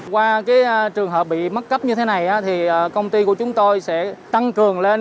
qua trường hợp bị mất cấp như thế này thì công ty của chúng tôi sẽ tăng cường lên